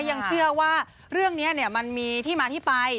ยังเชื่อว่าเรื่องนี้มันมีที่มาที่ไป